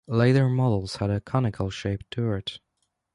Later models had a conical-shaped turret.